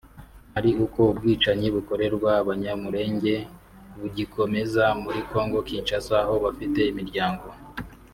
ari uko ubwicanyi bukorerwa Abanyamulenge bugikomeza muri Congo Kinshasa aho bafite imiryango